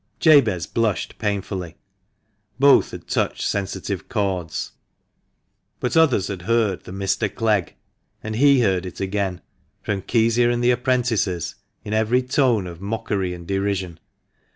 Jabez blushed painfully. Both had touched sensitive chords. But others had heard the "Mr. Clegg," and he heard it again, from Kezia and the apprentices, in every tone of mockery and derision.